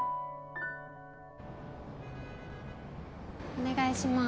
お願いします。